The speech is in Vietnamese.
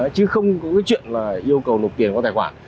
chứ không có chuyện yêu cầu nộp tiền vào tài khoản